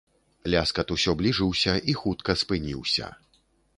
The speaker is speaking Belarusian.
Ляскат усё бліжыўся і хутка спыніўся.